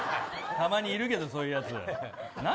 たまにいるけどそういうやつ。